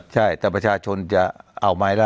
ใช่แต่ประชาชนจะเอาไหมล่ะ